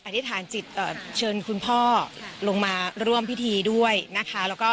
อธิษฐานจิตเชิญคุณพ่อลงมาร่วมพิธีด้วยนะคะ